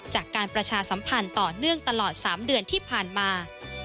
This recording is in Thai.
จากการประชาสัมพันธ์ต่อเนื่องตลอด๓เดือนที่ผ่านมา